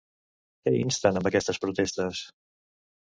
Què insten amb aquestes protestes?